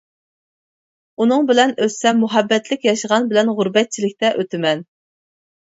ئۇنىڭ بىلەن ئۆتسەم مۇھەببەتلىك ياشىغان بىلەن غۇربەتچىلىكتە ئۆتىمەن.